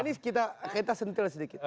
ini kita sentil sedikit